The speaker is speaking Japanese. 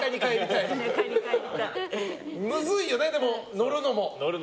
むずいよね、乗るのも。